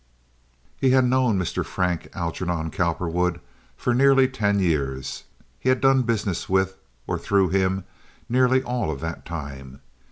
He had known Mr. Frank Algernon Cowperwood for nearly ten years. He had done business with or through him nearly all of that time.